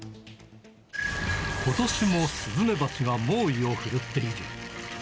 ことしもスズメバチが猛威を振るっている。